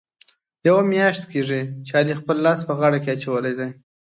یوه میاشت کېږي، چې علي خپل لاس په غاړه کې اچولی دی.